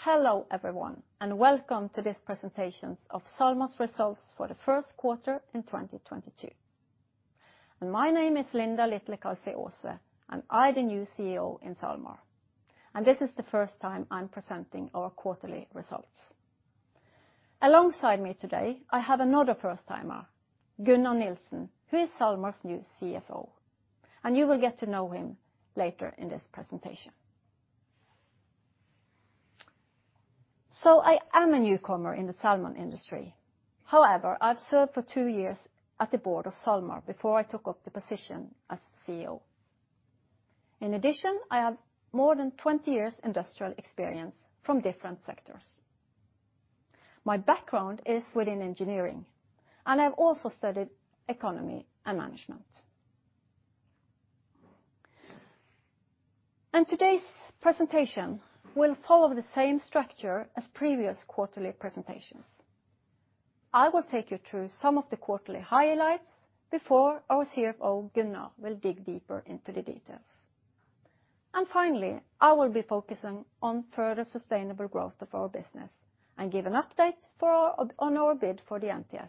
Hello everyone, and welcome to this presentation of SalMar's results for the first quarter in 2022. My name is Linda Litlekalsøy Aase, and I'm the new CEO in SalMar, and this is the first time I'm presenting our quarterly results. Alongside me today, I have another first-timer, Gunnar Nielsen, who is SalMar's new CFO, and you will get to know him later in this presentation. I am a newcomer in the salmon industry. However, I've served for two years at the board of SalMar before I took up the position as CEO. In addition, I have more than 20 years industrial experience from different sectors. My background is within engineering, and I have also studied economy and management. Today's presentation will follow the same structure as previous quarterly presentations. I will take you through some of the quarterly highlights before our CFO, Gunnar, will dig deeper into the details. Finally, I will be focusing on further sustainable growth of our business and give an update on our bid for the NTS,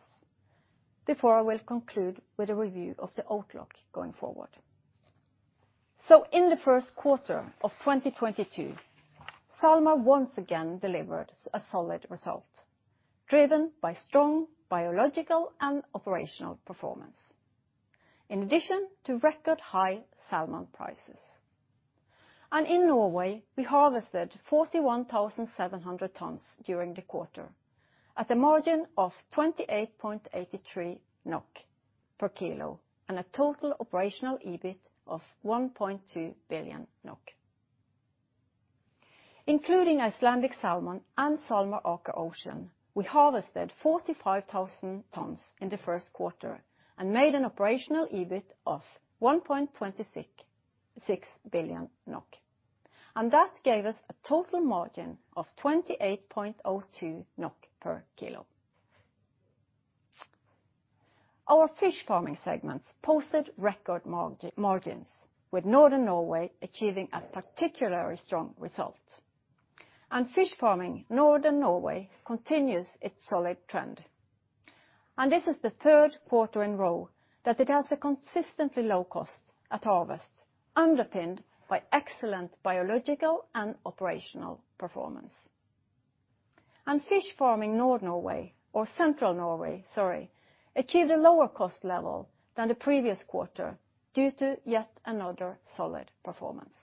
before I will conclude with a review of the outlook going forward. In the first quarter of 2022, SalMar once again delivered a solid result, driven by strong biological and operational performance in addition to record high salmon prices. In Norway, we harvested 41,700 tons during the quarter at a margin of 28.83 NOK per kilo and a total operational EBIT of 1.2 billion NOK. Including Icelandic Salmon and SalMar Aker Ocean, we harvested 45,000 tons in the first quarter and made an operational EBIT of 1.266 billion NOK, and that gave us a total margin of 28.02 NOK per kilo. Our fish farming segments posted record margins, with Northern Norway achieving a particularly strong result. Fish farming Northern Norway continues its solid trend. This is the third quarter in a row that it has a consistently low cost at harvest, underpinned by excellent biological and operational performance. Fish farming Northern Norway or Central Norway, sorry, achieved a lower cost level than the previous quarter due to yet another solid performance.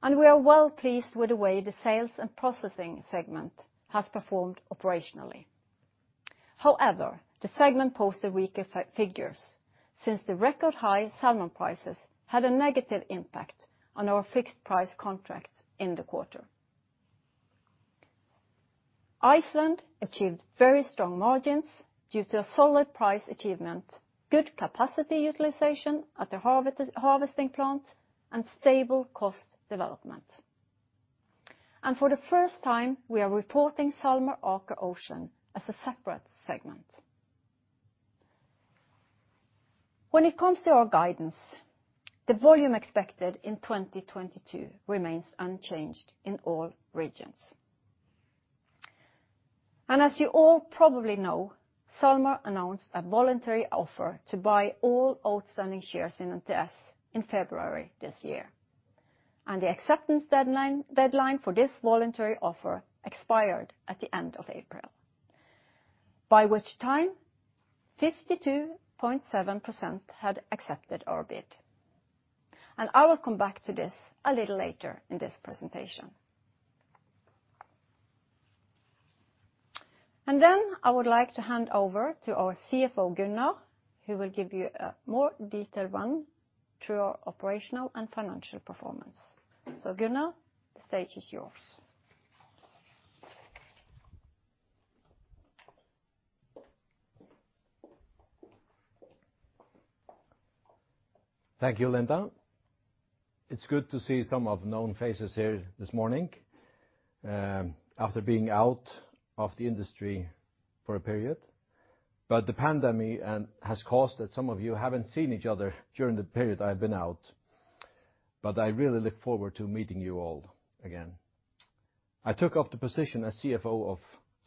We are well pleased with the way the sales and processing segment has performed operationally. However, the segment posted weaker figures since the record high salmon prices had a negative impact on our fixed price contracts in the quarter. Iceland achieved very strong margins due to a solid price achievement, good capacity utilization at the harvesting plant, and stable cost development. For the first time, we are reporting SalMar Aker Ocean as a separate segment. When it comes to our guidance, the volume expected in 2022 remains unchanged in all regions. As you all probably know, SalMar announced a voluntary offer to buy all outstanding shares in NTS in February this year. The acceptance deadline for this voluntary offer expired at the end of April, by which time 52.7% had accepted our bid. I will come back to this a little later in this presentation. Then I would like to hand over to our CFO, Gunnar, who will give you a more detailed run through our operational and financial performance. Gunnar, the stage is yours. Thank you, Linda. It's good to see some of the known faces here this morning, after being out of the industry for a period. The pandemic has caused that some of you haven't seen each other during the period I've been out. I really look forward to meeting you all again. I took up the position as CFO of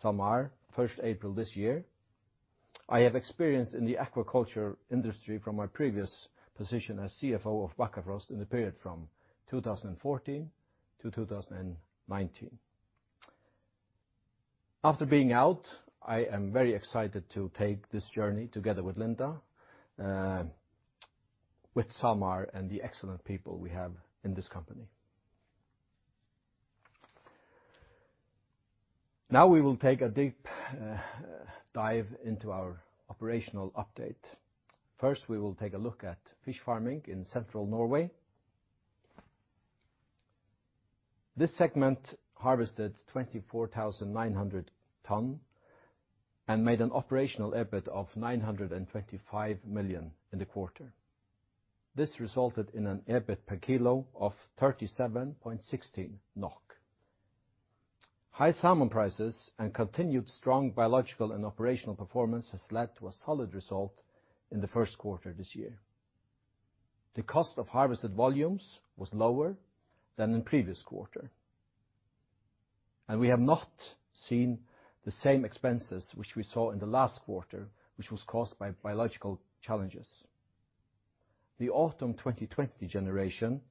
SalMar first April this year. I have experience in the aquaculture industry from my previous position as CFO of Bakkafrost in the period from 2014 to 2019. After being out, I am very excited to take this journey together with Linda, with SalMar and the excellent people we have in this company. Now we will take a deep dive into our operational update. First, we will take a look at fish farming in Central Norway. This segment harvested 24,900 tons and made an operational EBIT of 925 million in the quarter. This resulted in an EBIT per kilo of 37.16 NOK. High salmon prices and continued strong biological and operational performance has led to a solid result in the first quarter this year. The cost of harvested volumes was lower than in previous quarter. We have not seen the same expenses which we saw in the last quarter, which was caused by biological challenges. The autumn 2020 generation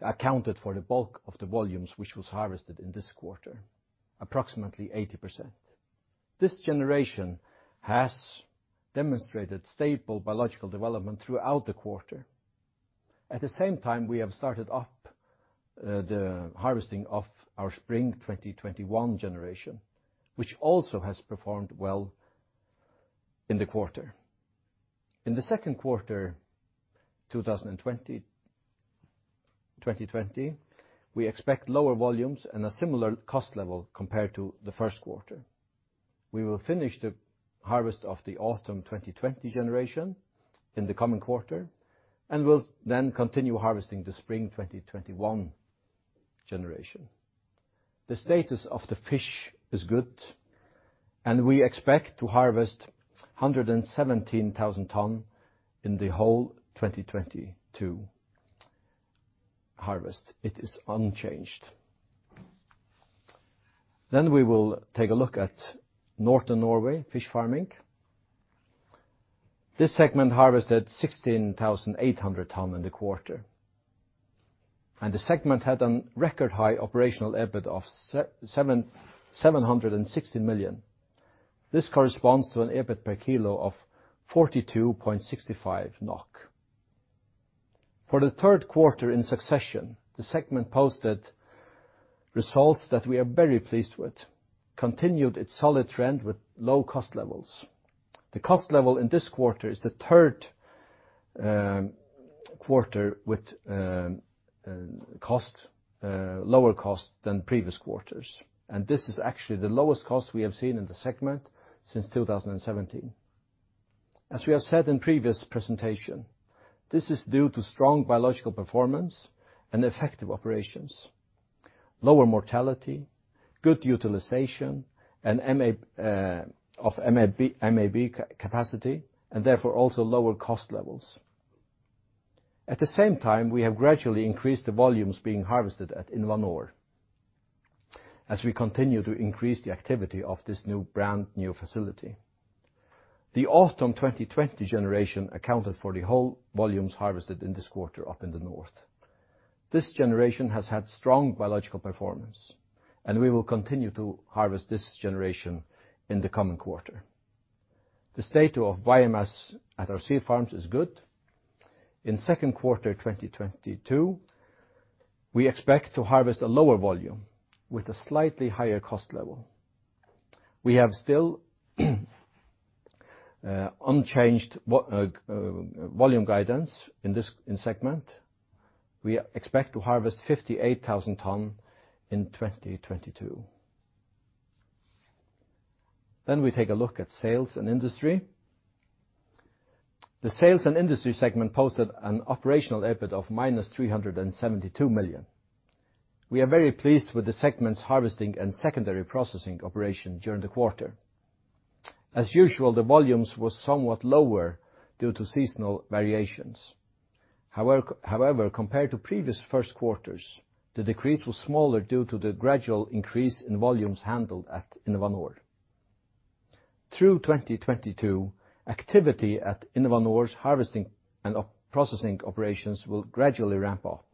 accounted for the bulk of the volumes, which was harvested in this quarter, approximately 80%. This generation has demonstrated stable biological development throughout the quarter. At the same time, we have started up the harvesting of our spring 2021 generation, which also has performed well in the quarter. In the second quarter 2020, we expect lower volumes and a similar cost level compared to the first quarter. We will finish the harvest of the autumn 2020 generation in the coming quarter and will then continue harvesting the spring 2021 generation. The status of the fish is good, and we expect to harvest 117,000 tons in the whole 2022 harvest. It is unchanged. We will take a look at Northern Norway fish farming. This segment harvested 16,800 tons in the quarter, and the segment had a record high operational EBIT of 760 million. This corresponds to an EBIT per kilo of 42.65 NOK. For the third quarter in succession, the segment posted results that we are very pleased with, continued its solid trend with low cost levels. The cost level in this quarter is the third quarter with lower cost than previous quarters, and this is actually the lowest cost we have seen in the segment since 2017. As we have said in previous presentation, this is due to strong biological performance and effective operations, lower mortality, good utilization of MAB capacity, and therefore also lower cost levels. At the same time, we have gradually increased the volumes being harvested at InnovaNor as we continue to increase the activity of this brand new facility. The autumn 2020 generation accounted for the whole volumes harvested in this quarter up in the north. This generation has had strong biological performance, and we will continue to harvest this generation in the coming quarter. The state of biomass at our sea farms is good. In second quarter 2022, we expect to harvest a lower volume with a slightly higher cost level. We have still unchanged volume guidance in this segment. We expect to harvest 58,000 tons in 2022. We take a look at sales and industry. The sales and industry segment posted an operational EBIT of -372 million. We are very pleased with the segment's harvesting and secondary processing operation during the quarter. As usual, the volumes was somewhat lower due to seasonal variations. However, compared to previous first quarters, the decrease was smaller due to the gradual increase in volumes handled at InnovaNor. Through 2022, activity at InnovaNor's harvesting and processing operations will gradually ramp up.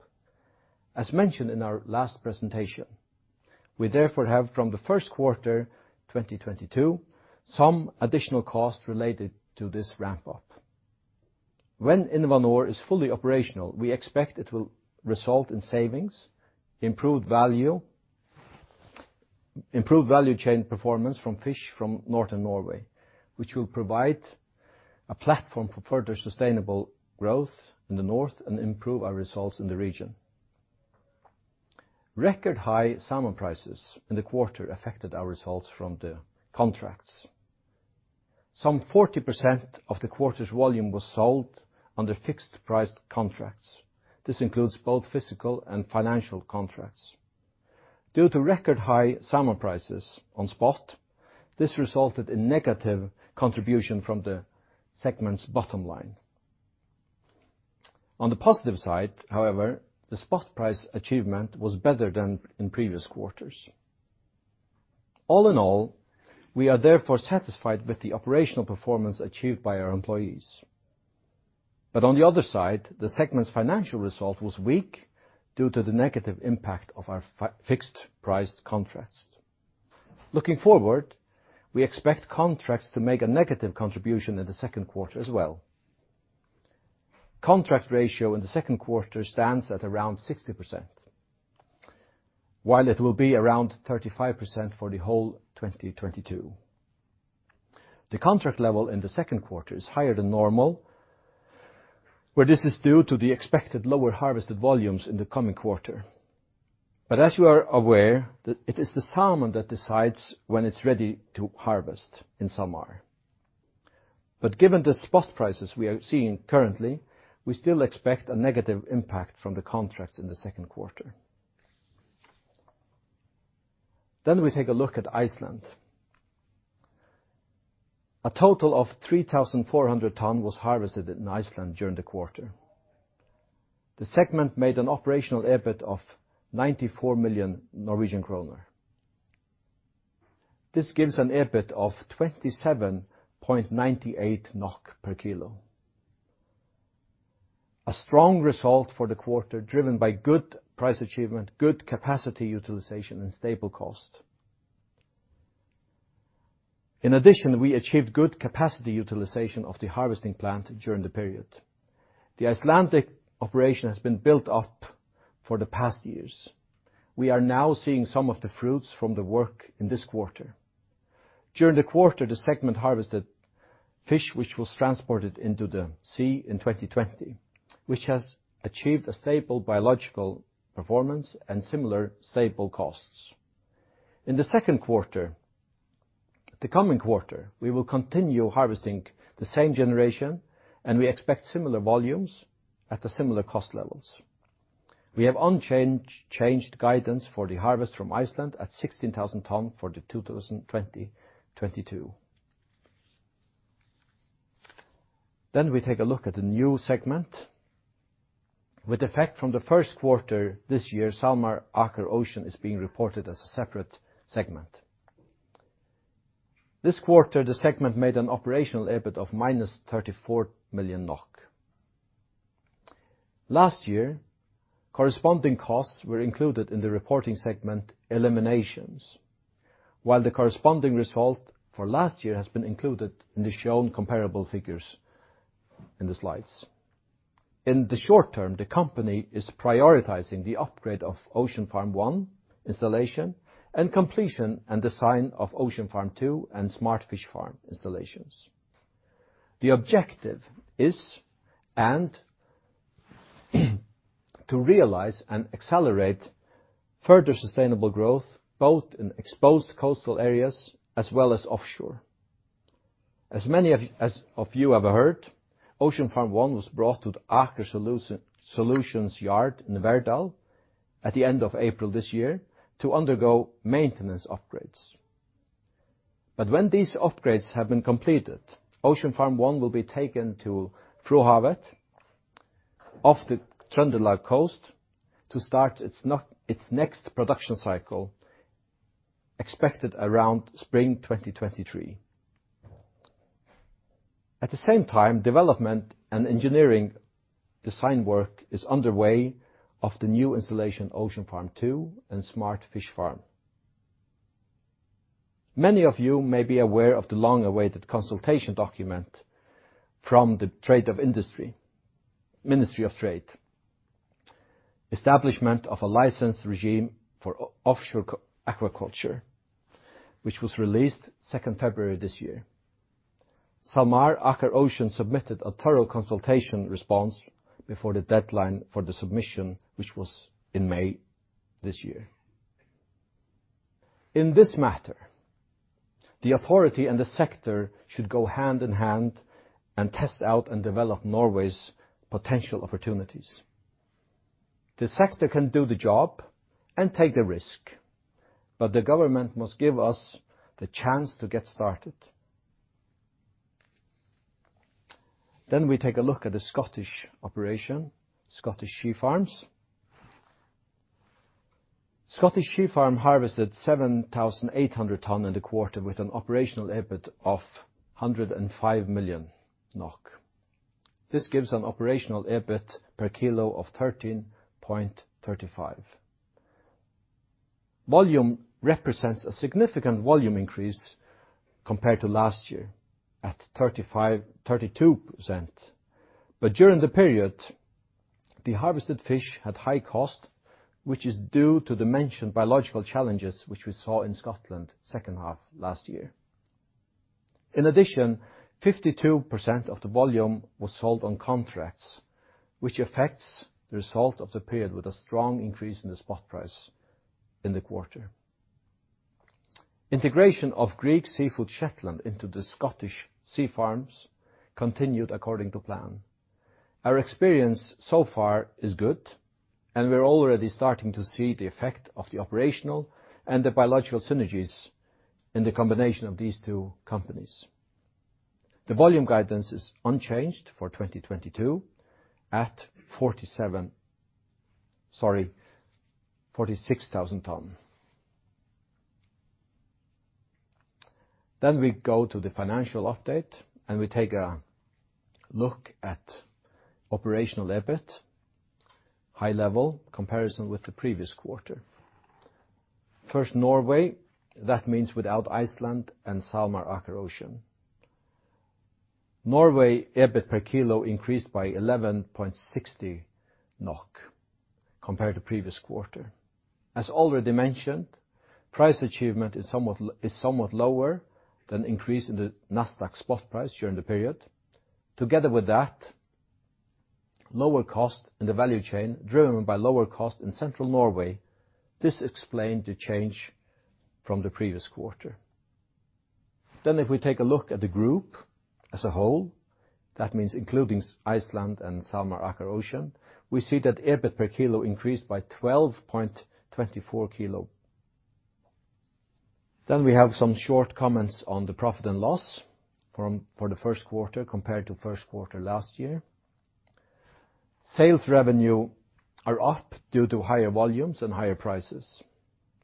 As mentioned in our last presentation, we therefore have, from the first quarter 2022, some additional costs related to this ramp up. When InnovaNor is fully operational, we expect it will result in savings, improved value, improved value chain performance from fish from Northern Norway, which will provide a platform for further sustainable growth in the North and improve our results in the region. Record high salmon prices in the quarter affected our results from the contracts. Some 40% of the quarter's volume was sold under fixed price contracts. This includes both physical and financial contracts. Due to record high salmon prices on spot, this resulted in negative contribution from the segment's bottom line. On the positive side, however, the spot price achievement was better than in previous quarters. All in all, we are therefore satisfied with the operational performance achieved by our employees. On the other side, the segment's financial result was weak due to the negative impact of our fixed priced contracts. Looking forward, we expect contracts to make a negative contribution in the second quarter as well. Contract ratio in the second quarter stands at around 60%, while it will be around 35% for the whole 2022. The contract level in the second quarter is higher than normal, where this is due to the expected lower harvested volumes in the coming quarter. As you are aware, it is the salmon that decides when it's ready to harvest in summer. Given the spot prices we are seeing currently, we still expect a negative impact from the contracts in the second quarter. We take a look at Iceland. A total of 3,400 tons was harvested in Iceland during the quarter. The segment made an operational EBIT of 94 million Norwegian kroner. This gives an EBIT of 27.98 NOK per kilo. A strong result for the quarter, driven by good price achievement, good capacity utilization, and stable cost. In addition, we achieved good capacity utilization of the harvesting plant during the period. The Icelandic operation has been built up for the past years. We are now seeing some of the fruits from the work in this quarter. During the quarter, the segment harvested fish which was transported into the sea in 2020, which has achieved a stable biological performance and similar stable costs. In the second quarter, the coming quarter, we will continue harvesting the same generation, and we expect similar volumes at the similar cost levels. We have unchanged guidance for the harvest from Iceland at 16,000 tons for 2022. We take a look at the new segment. With effect from the first quarter this year, SalMar Aker Ocean is being reported as a separate segment. This quarter, the segment made an operational EBIT of -34 million NOK. Last year, corresponding costs were included in the reporting segment eliminations, while the corresponding result for last year has been included in the shown comparable figures in the slides. In the short term, the company is prioritizing the upgrade of Ocean Farm 1 installation and completion and design of Ocean Farm 2 and Smart Fish Farm installations. The objective is to realize and accelerate further sustainable growth, both in exposed coastal areas as well as offshore. As many of you have heard, Ocean Farm 1 was brought to the Aker Solutions Yard in Verdal at the end of April this year to undergo maintenance upgrades. When these upgrades have been completed, Ocean Farm One will be taken to Frohavet off the Trøndelag Coast to start its next production cycle, expected around spring 2023. At the same time, development and engineering design work is underway of the new installation, Ocean Farm Two and Smart Fish Farm. Many of you may be aware of the long-awaited consultation document from the Ministry of Trade, Industry and Fisheries, License Regime for Offshore Aquaculture, which was released 2 February this year. SalMar Aker Ocean submitted a thorough consultation response before the deadline for the submission, which was in May this year. In this matter, the authority and the sector should go hand in hand and test out and develop Norway's potential opportunities. The sector can do the job and take the risk, but the government must give us the chance to get started. We take a look at the Scottish operation, Scottish Sea Farms. Scottish Sea Farms harvested 7,800 tons in the quarter with an operational EBIT of 105 million NOK. This gives an operational EBIT per kilo of 13.35. Volume represents a significant volume increase compared to last year at 32%. During the period, the harvested fish had high cost, which is due to the mentioned biological challenges, which we saw in Scotland second half last year. In addition, 52% of the volume was sold on contracts, which affects the result of the period with a strong increase in the spot price in the quarter. Integration of Grieg Seafood Shetland into Scottish Sea Farms continued according to plan. Our experience so far is good, and we're already starting to see the effect of the operational and the biological synergies in the combination of these two companies. The volume guidance is unchanged for 2022 at 46,000 tons. We go to the financial update, and we take a look at operational EBIT, high level comparison with the previous quarter. First, Norway, that means without Iceland and SalMar Aker Ocean. Norway EBIT per kilo increased by 11.60 NOK compared to previous quarter. As already mentioned, price achievement is somewhat lower than increase in the Nasdaq spot price during the period. Together with that, lower cost in the value chain driven by lower cost in Central Norway. This explain the change from the previous quarter. If we take a look at the group as a whole, that means including Iceland and SalMar Aker Ocean, we see that EBIT per kilo increased by NOK 12.24. We have some short comments on the profit and loss for the first quarter compared to first quarter last year. Sales revenue are up due to higher volumes and higher prices.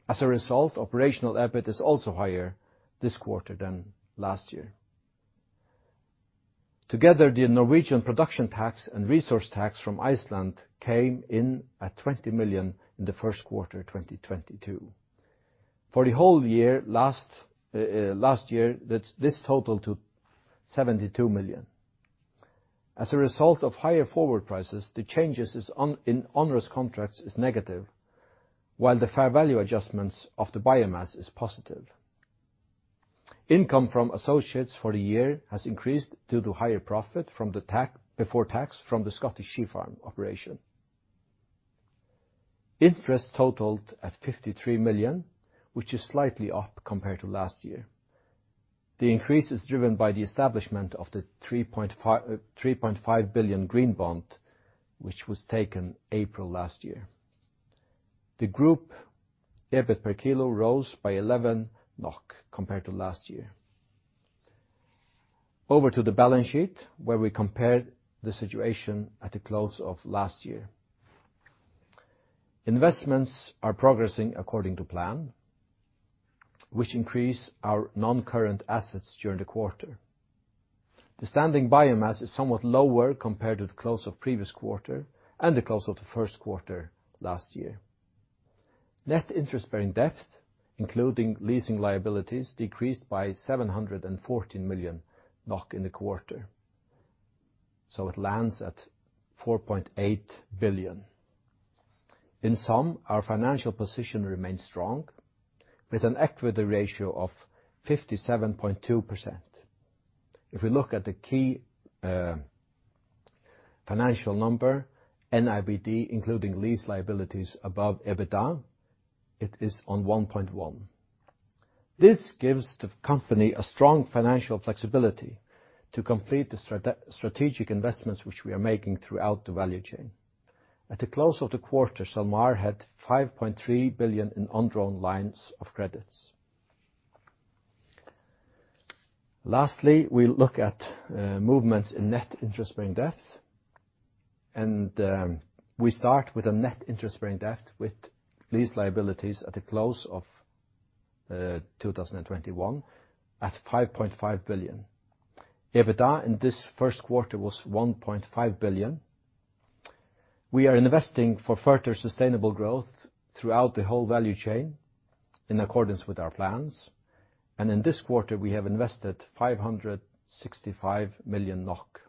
As a result, operational EBIT is also higher this quarter than last year. Together, the Norwegian production tax and resource tax from Iceland came in at 20 million in the first quarter 2022. For the whole year last year, that's this totals to 72 million. As a result of higher forward prices, the changes in onerous contracts is negative, while the fair value adjustments of the biomass is positive. Income from associates for the year has increased due to higher profit before tax from the Scottish Sea Farms operation. Interest totaled 53 million, which is slightly up compared to last year. The increase is driven by the establishment of the 3.5 billion green bond, which was taken April last year. The group EBIT per kilo rose by 11 NOK compared to last year. Over to the balance sheet, where we compare the situation at the close of last year. Investments are progressing according to plan, which increase our non-current assets during the quarter. The standing biomass is somewhat lower compared to the close of previous quarter and the close of the first quarter last year. Net interest-bearing debt, including leasing liabilities, decreased by 714 million NOK in the quarter, so it lands at 4.8 billion. In sum, our financial position remains strong with an equity ratio of 57.2%. If we look at the key financial number, NIBD, including lease liabilities above EBITDA, it is on 1.1. This gives the company a strong financial flexibility to complete the strategic investments which we are making throughout the value chain. At the close of the quarter, SalMar had 5.3 billion in undrawn lines of credit. Lastly, we look at movements in net interest-bearing debt, and we start with a net interest-bearing debt with lease liabilities at the close of 2021 at 5.5 billion. EBITDA in this first quarter was 1.5 billion. We are investing for further sustainable growth throughout the whole value chain in accordance with our plans, and in this quarter, we have invested 565 million NOK.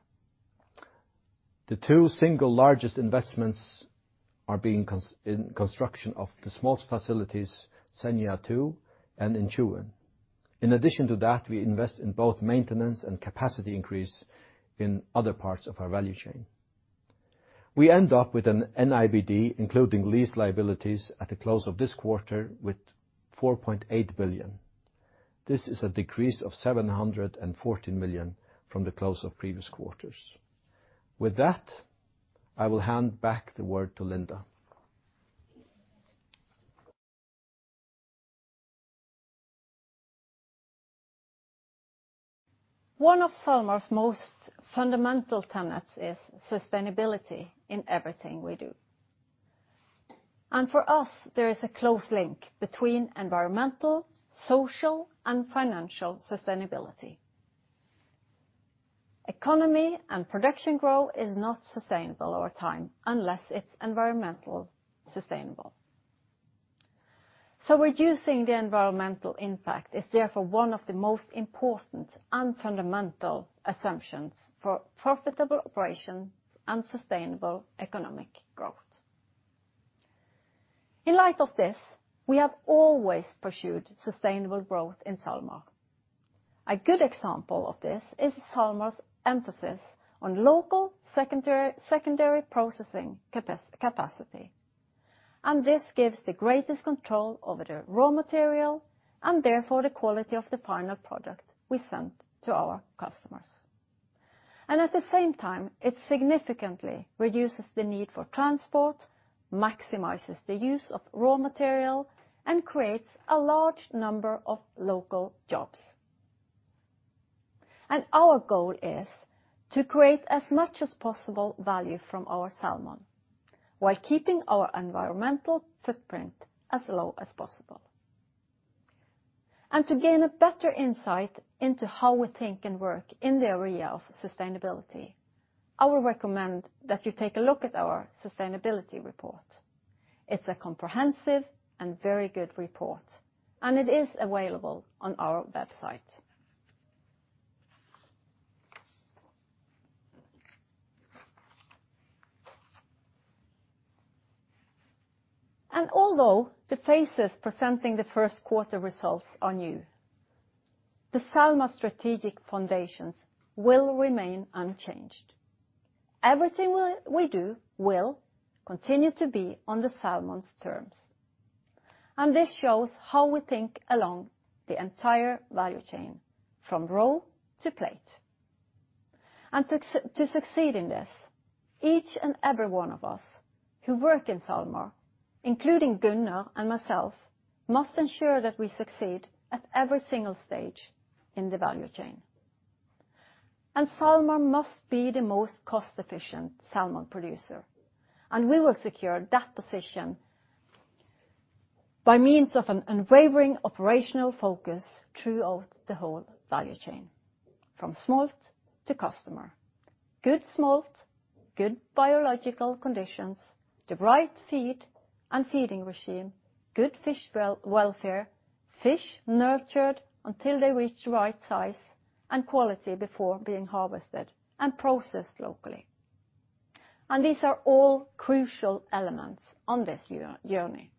The two single largest investments are in construction of the smolt facilities, Senja 2 and in Tjuin. In addition to that, we invest in both maintenance and capacity increase in other parts of our value chain. We end up with an NIBD, including lease liabilities, at the close of this quarter with 4.8 billion. This is a decrease of 714 million from the close of previous quarters. With that, I will hand back the word to Linda. One of SalMar's most fundamental tenets is sustainability in everything we do. For us, there is a close link between environmental, social, and financial sustainability. Economy and production growth is not sustainable over time unless it's environmental sustainable. Reducing the environmental impact is therefore one of the most important and fundamental assumptions for profitable operations and sustainable economic growth. In light of this, we have always pursued sustainable growth in SalMar. A good example of this is SalMar's emphasis on local secondary processing capacity, and this gives the greatest control over the raw material and therefore the quality of the final product we send to our customers. At the same time, it significantly reduces the need for transport, maximizes the use of raw material, and creates a large number of local jobs. Our goal is to create as much as possible value from our salmon while keeping our environmental footprint as low as possible. To gain a better insight into how we think and work in the area of sustainability, I would recommend that you take a look at our sustainability report. It's a comprehensive and very good report, and it is available on our website. Although the faces presenting the first quarter results are new, the SalMar strategic foundations will remain unchanged. Everything we do will continue to be on the SalMar's terms, and this shows how we think along the entire value chain from raw to plate. To succeed in this, each and every one of us who work in SalMar, including Gunnar and myself, must ensure that we succeed at every single stage in the value chain. SalMar must be the most cost-efficient salmon producer, and we will secure that position by means of an unwavering operational focus throughout the whole value chain from smolt to customer. Good smolt, good biological conditions, the right feed and feeding regime, good fish welfare, fish nurtured until they reach the right size, and quality before being harvested and processed locally. These are all crucial elements on this journey.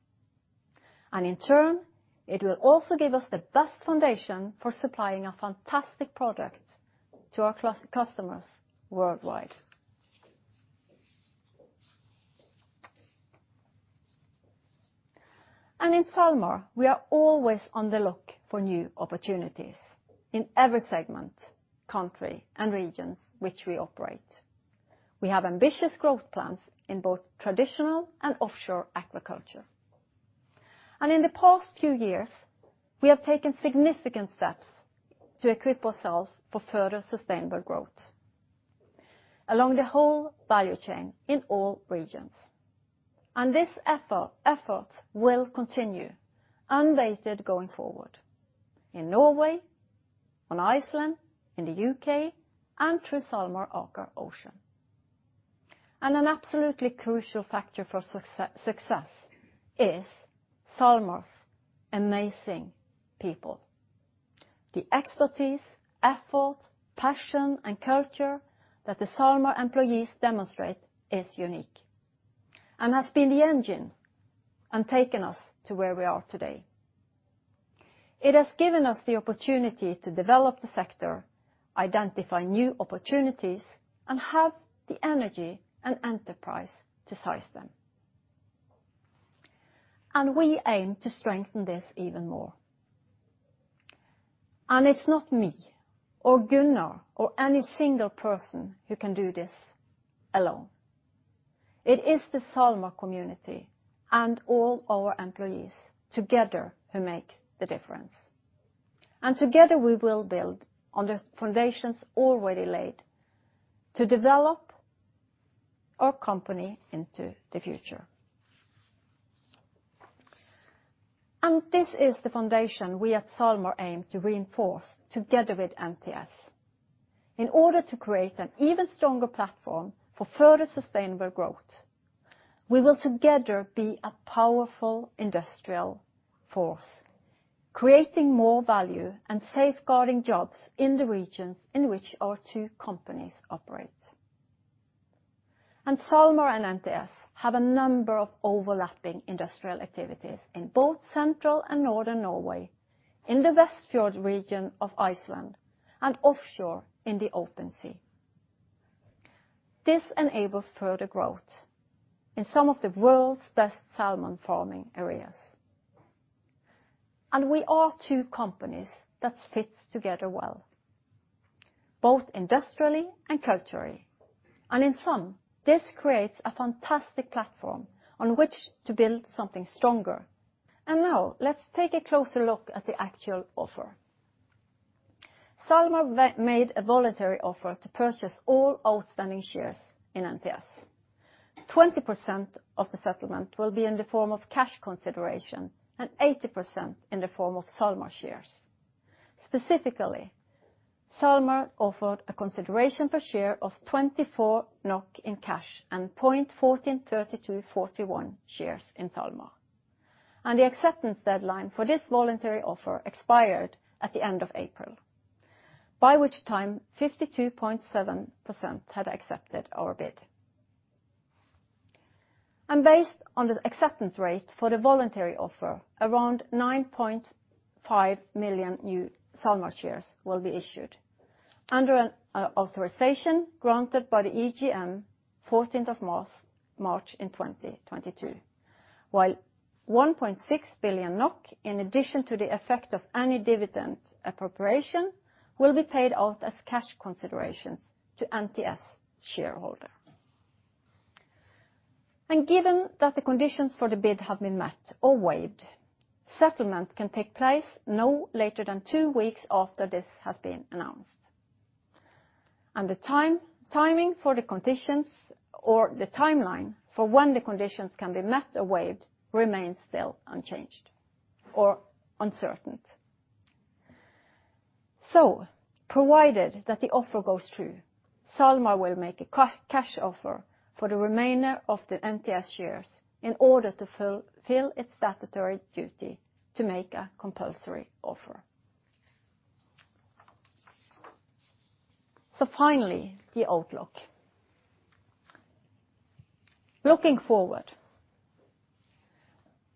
In turn, it will also give us the best foundation for supplying a fantastic product to our customers worldwide. In SalMar, we are always on the lookout for new opportunities in every segment, country, and regions which we operate. We have ambitious growth plans in both traditional and offshore aquaculture. In the past few years, we have taken significant steps to equip ourself for further sustainable growth along the whole value chain in all regions. This effort will continue unabated going forward in Norway, on Iceland, in the U.K., and through SalMar Aker Ocean. An absolutely crucial factor for success is SalMar's amazing people. The expertise, effort, passion, and culture that the SalMar employees demonstrate is unique and has been the engine and taken us to where we are today. It has given us the opportunity to develop the sector, identify new opportunities, and have the energy and enterprise to seize them. We aim to strengthen this even more. It's not me or Gunnar or any single person who can do this alone. It is the SalMar community and all our employees together who make the difference. Together, we will build on the foundations already laid to develop our company into the future. This is the foundation we at SalMar aim to reinforce together with NTS. In order to create an even stronger platform for further sustainable growth, we will together be a powerful industrial force, creating more value and safeguarding jobs in the regions in which our two companies operate. SalMar and NTS have a number of overlapping industrial activities in both central and northern Norway, in the Westfjords region of Iceland, and offshore in the open sea. This enables further growth in some of the world's best salmon farming areas. We are two companies that fits together well, both industrially and culturally. In sum, this creates a fantastic platform on which to build something stronger. Now let's take a closer look at the actual offer. SalMar made a voluntary offer to purchase all outstanding shares in NTS. 20% of the settlement will be in the form of cash consideration and 80% in the form of SalMar shares. Specifically, SalMar offered a consideration per share of 24 NOK in cash and 0.143241 shares in SalMar. The acceptance deadline for this voluntary offer expired at the end of April, by which time 52.7% had accepted our bid. Based on the acceptance rate for the voluntary offer, around 9.5 million new SalMar shares will be issued under an authorization granted by the EGM 14th of March 2022. While 1.6 billion NOK, in addition to the effect of any dividend appropriation, will be paid out as cash considerations to NTS shareholder. Given that the conditions for the bid have been met or waived, settlement can take place no later than two weeks after this has been announced. The timing for the conditions or the timeline for when the conditions can be met or waived remains still unchanged or uncertain. Provided that the offer goes through, SalMar will make a cash offer for the remainder of the NTS shares in order to fulfill its statutory duty to make a compulsory offer. Finally, the outlook. Looking forward,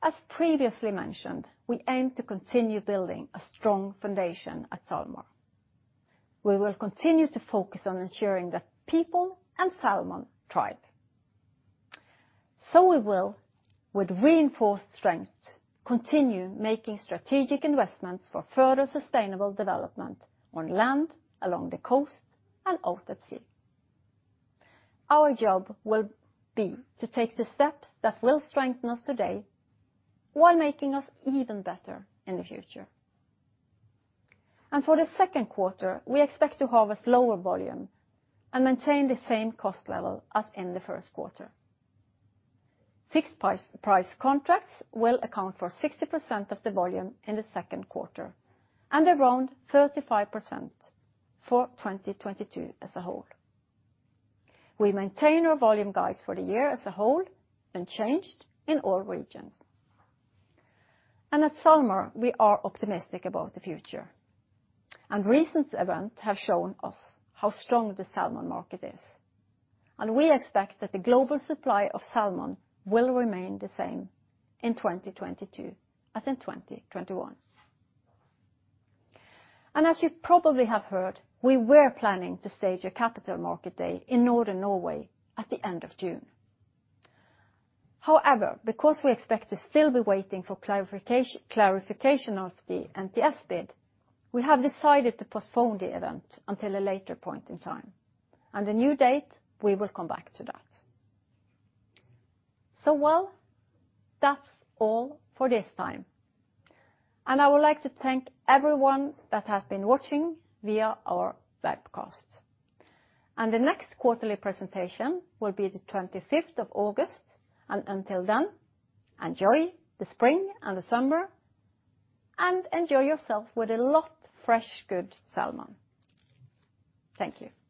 as previously mentioned, we aim to continue building a strong foundation at SalMar. We will continue to focus on ensuring that people and salmon thrive. We will, with reinforced strength, continue making strategic investments for further sustainable development on land, along the coast, and out at sea. Our job will be to take the steps that will strengthen us today while making us even better in the future. For the second quarter, we expect to harvest lower volume and maintain the same cost level as in the first quarter. Fixed price contracts will account for 60% of the volume in the second quarter and around 35% for 2022 as a whole. We maintain our volume guides for the year as a whole, unchanged in all regions. At SalMar, we are optimistic about the future, and recent events have shown us how strong the salmon market is. We expect that the global supply of salmon will remain the same in 2022 as in 2021. As you probably have heard, we were planning to stage a capital market day in Northern Norway at the end of June. However, because we expect to still be waiting for clarification of the NTS bid, we have decided to postpone the event until a later point in time, and a new date, we will come back to that. Well, that's all for this time. I would like to thank everyone that has been watching via our webcast. The next quarterly presentation will be the 25th of August, and until then, enjoy the spring and the summer, and enjoy yourself with a lot of fresh, good salmon. Thank you.